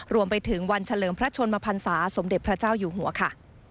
รวมไปถึงวันเฉลิมพระชนมพันศาสมเด็จพระเจ้าอยู่หัวค่ะ